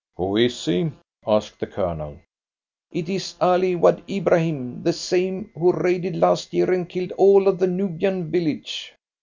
"Who is he?" asked the Colonel. "It is Ali Wad Ibrahim, the same who raided last year, and killed all of the Nubian village."